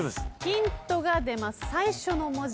ヒントが出ます。